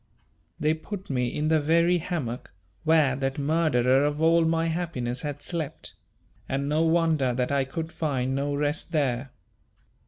They put me in the very hammock where that murderer of all my happiness had slept, and no wonder that I could find no rest there.